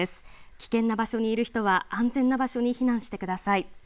危険な場所にいる人は安全な場所に避難してください。